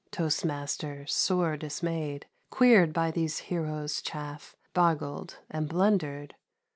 Toast Master, sore dismayed, Queered by those heroes' chaff. Boggled and blundered.